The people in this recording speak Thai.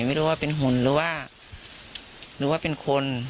ไม่รู้ว่าเป็นหุ่นหรือว่าเป็นคน